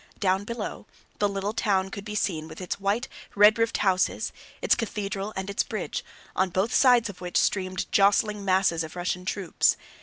Down below, the little town could be seen with its white, red roofed houses, its cathedral, and its bridge, on both sides of which streamed jostling masses of Russian troops.